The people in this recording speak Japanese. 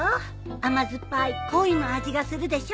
甘酸っぱい恋の味がするでしょ。